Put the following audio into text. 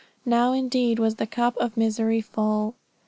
Now indeed was the cup of misery full.